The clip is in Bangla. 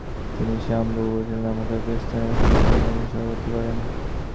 তিনি শাম-বু-ব্চাল নামক এক স্থানে অনুষ্ঠিত ধর্মীয় সম্মেলনে সভাপতিত্ব করেন।